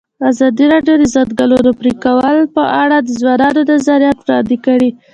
ازادي راډیو د د ځنګلونو پرېکول په اړه د ځوانانو نظریات وړاندې کړي.